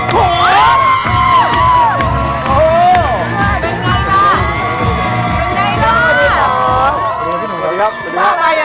เป็นไงล่ะ